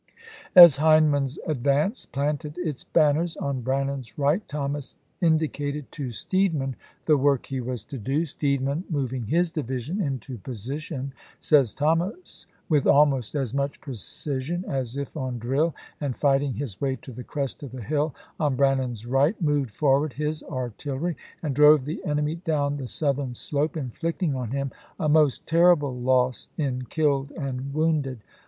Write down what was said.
As Hindman's advance planted its banners on Brannan's right, Thomas indicated to Steedman the work he was to do. " Steedman, moving his division into position," says Thomas, " with almost as much precision as if on drill, and fighting his way to the crest of the hill on Brannan's right, moved forward his artiUery and drove the enemy down the southern slope, inflicting on him a most Sept. 20, 102 ABKAHAM LINCOLN CHAP. IV. terrible loss in killed and wounded."